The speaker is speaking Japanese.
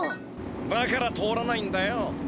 だから通らないんだよ。